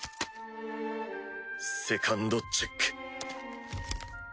セカンドチェック！